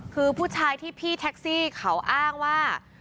คือผู้ชายที่พี่แท็กซี่เขาอ้างว่า